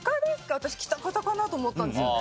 私喜多方かなと思ったんですよね。